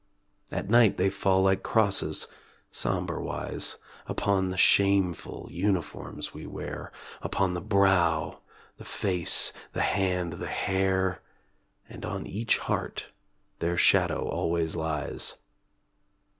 At night they fall like crosses, sombre wise, Upon the shameful uniforms we wear, Upon the brow, the face, the hand, the hair; And on each heart their shadow always lies.